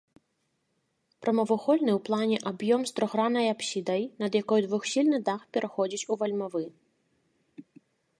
Прамавугольны ў плане аб'ём з трохграннай апсідай, над якой двухсхільны дах пераходзіць у вальмавы.